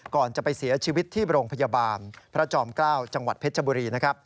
ก่อนจะไปเสียชีวิตที่โรงพยาบาลพระจอม๙จังหวัดเพชรบุรี